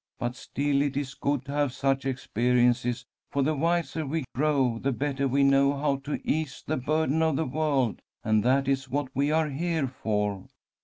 But still it is good to have such experiences, for the wiser we grow the better we know how to 'ease the burden of the world,' and that is what we are here for."